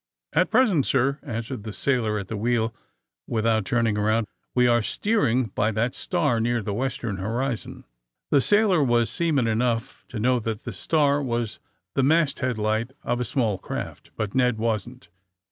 ^^At present, sir," answered tbe sailor at the wheel, without turning around, *^we are steer ing by that star near the western horizon." The sailor was seaman enough to know that the *^star" was the masthead light of a small craft, but Ned wasn't.